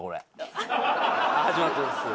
始まってます。